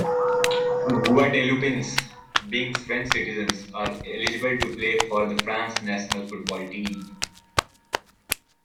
Guadeloupeans, being French citizens, are eligible to play for the France national football team.